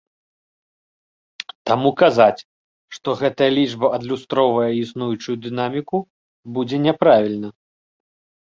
Таму казаць, што гэтая лічба адлюстроўвае існуючую дынаміку, будзе няправільна.